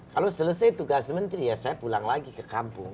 kalau selesai tugas menteri ya saya pulang lagi ke kampung